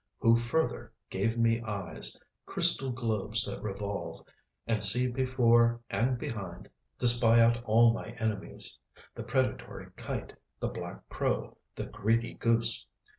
Who further gave me eyes, crystal globes that revolve and see before and behind, to spy out all my enemies, the predatory kite, the black crow, the greedy goose?